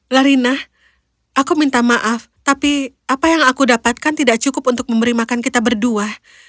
larina aku minta maaf tapi apa yang aku dapatkan tidak cukup untuk memberi makan kita berdua